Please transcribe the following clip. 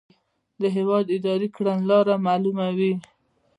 د هیواد اداري کړنلاره معلوموي.